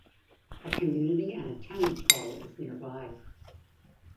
A community and tenants' hall is nearby.